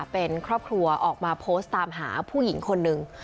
เป็นครอบครัวออกมาโพสต์ตามหาผู้หญิงคนหนึ่ง